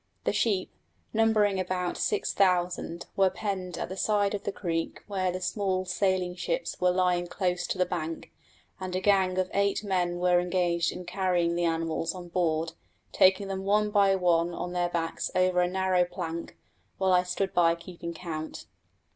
The sheep, numbering about six thousand, were penned at the side of the creek where the small sailing ships were lying close to the bank, and a gang of eight men were engaged in carrying the animals on board, taking them one by one on their backs over a narrow plank, while I stood by keeping count.